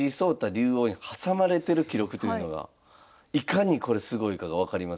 竜王に挟まれてる記録というのがいかにこれすごいかが分かりますけども。